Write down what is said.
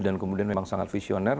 dan kemudian memang sangat visioner